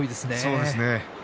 そうですね。